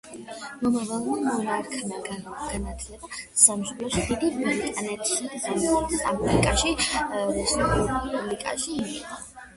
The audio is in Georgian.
მომავალმა მონარქმა განათლება სამშობლოში, დიდ ბრიტანეთსა და სამხრეთ აფრიკის რესპუბლიკაში მიიღო.